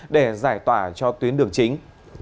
để giải tỏa cho tuyến đường chính